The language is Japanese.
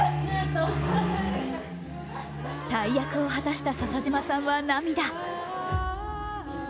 大役を果たした笹島さんは涙。